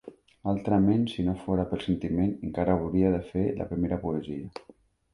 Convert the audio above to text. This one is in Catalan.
Altrament, si no fora pel sentiment, encara hauria de fer la primera poesia.